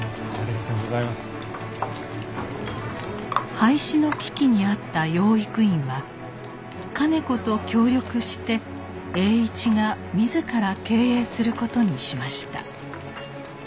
廃止の危機にあった養育院は兼子と協力して栄一が自ら経営することにしました。